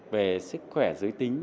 về sức khỏe giới tính